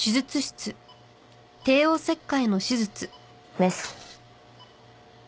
メス。